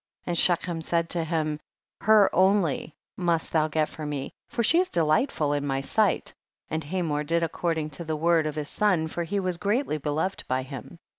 And Shechem said to him, her only must thou get for me, for she is delightful in my sight ; and Hamor did according to the word of his son, foi; he was greatly beloved by him.